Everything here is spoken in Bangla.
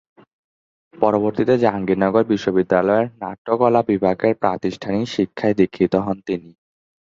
পরবর্তীতে জাহাঙ্গীরনগর বিশ্ববিদ্যালয়ের নাট্যকলা বিভাগের প্রাতিষ্ঠানিক শিক্ষায় দীক্ষিত হন তিনি।